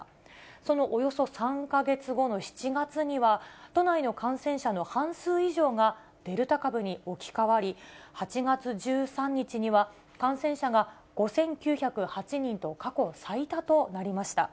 そのおよそ３か月後の７月には、都内の感染者の半数以上がデルタ株に置き換わり、８月１３日には、感染者が５９０８人と過去最多となりました。